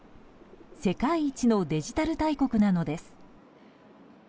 世界一のデジタル大国なのです。